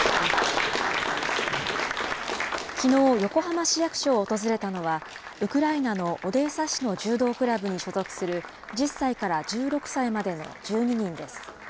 きのう、横浜市役所を訪れたのは、ウクライナのオデーサ市の柔道クラブに所属する１０歳から１６歳までの１２人です。